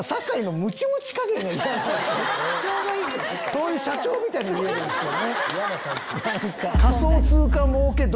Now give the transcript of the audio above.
そういう社長みたいに見えるんですよね。